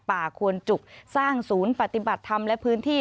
ควนจุกสร้างศูนย์ปฏิบัติธรรมและพื้นที่